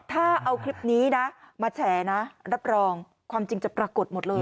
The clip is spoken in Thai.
ถ้าเอาคลิปนี้นะมาแฉนะรับรองความจริงจะปรากฏหมดเลย